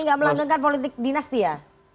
ini gak melanggengkan politik dinasti ya